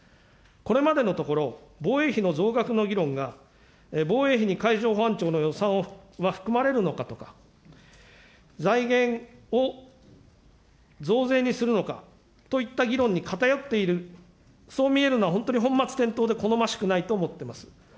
これまでのところ、防衛費の増額の議論が、防衛費に海上保安庁の予算は含まれるのかとか、財源を増税にするのかといった議論に偏っている、そう見えるのは本当に本末転倒で好ましくないと思ってます。